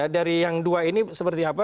dari yang dua ini seperti apa